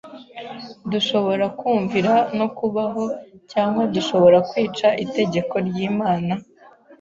Dushobora kumvira no kubaho, cyangwa dushobora kwica itegeko ry’Imana,